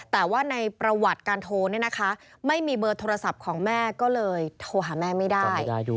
แต่ว่าในประวัติการโทรเนี่ยนะคะไม่มีเบอร์โทรศัพท์ของแม่ก็เลยโทรหาแม่ไม่ได้